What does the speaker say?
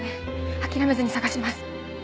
諦めずに探します。